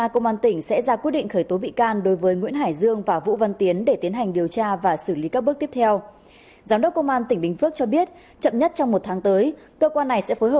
cơ quan này sẽ phối hợp với các cơ quan